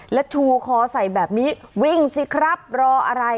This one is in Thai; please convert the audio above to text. แล้วชูคอใส่แบบนี้วิ่งสิครับรออะไร